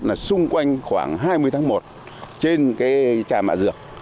là xung quanh khoảng hai mươi tháng một trên cái trà mạ dược